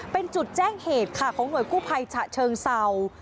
เป็นจุดแจ้งเหตุค่ะของหน่วยกู้ภัยฉะเชิงเศร้า